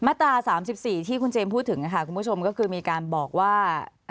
ตรา๓๔ที่คุณเจมสพูดถึงค่ะคุณผู้ชมก็คือมีการบอกว่า